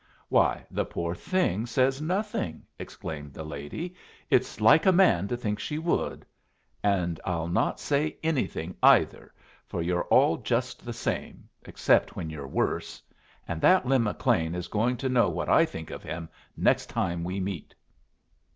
"Why, the poor thing says nothing!" exclaimed the lady. "It's like a man to think she would. And I'll not say anything, either, for you're all just the same, except when you're worse; and that Lin McLean is going to know what I think of him next time we meet."